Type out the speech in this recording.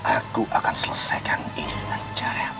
aku akan selesaikan ini dengan cara yang baik